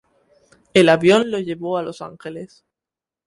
El avión lo llevó a Los Ángeles.